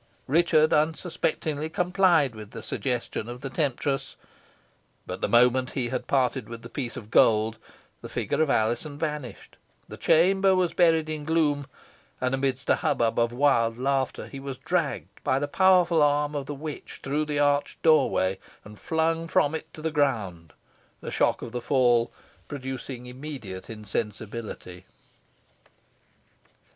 Richard unsuspectingly complied with the suggestion of the temptress; but the moment he had parted with the piece of gold the figure of Alizon vanished, the chamber was buried in gloom, and, amidst a hubbub of wild laughter, he was dragged by the powerful arm of the witch through the arched doorway, and flung from it to the ground, the shock of the fall producing immediate insensibility.